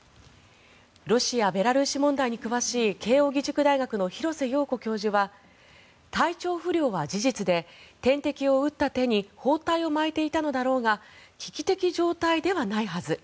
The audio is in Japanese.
ロシア、ベラルーシ問題に詳しい慶應義塾大学の廣瀬陽子教授は体調不良は事実で点滴を打った手に包帯を巻いていたのだろうが危機的状態ではないはず